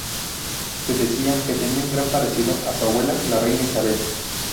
Se decía que tenía un gran parecido a su abuela, la reina Isabel.